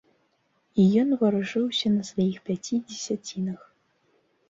І ён варушыўся на сваіх пяці дзесяцінах.